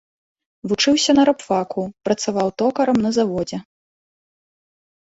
Вучыўся на рабфаку, працаваў токарам на заводзе.